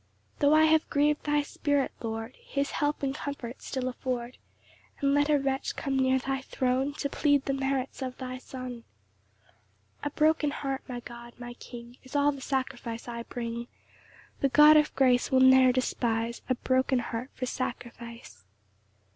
4 Tho' I have griev'd thy Spirit, Lord, His help and comfort still afford: And let a wretch come near thy throne To plead the merits of thy Son. 5 A broken heart, my God, my King, Is all the sacrifice I bring; The God of grace will ne'er despise A broken heart for sacrifice.